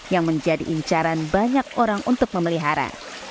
yang menjadi incaran banyak orang untuk memelihara